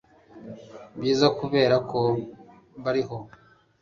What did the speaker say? byiza. kuberako bariho